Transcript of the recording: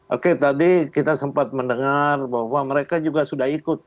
oke tadi kita sempat mendengar bahwa mereka juga sudah ikut